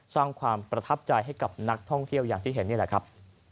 สร้างความประทับใจให้กับนักท่องเที่ยวอย่างที่เห็นนี่แหละครับ